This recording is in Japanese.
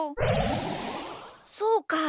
そうか。